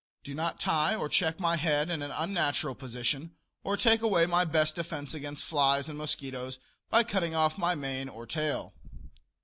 Do not tie or check my head in an unnatural position or take away my best defence against flies and mosquitoes by cutting off my mane or tail.